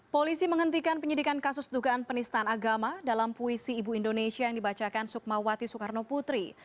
polisi menghentikan penyidikan kasus dugaan penistaan agama dalam puisi ibu indonesia yang dibacakan sukmawati soekarno putri